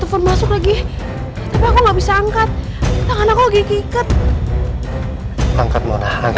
mona lagi ada di ruang donor darah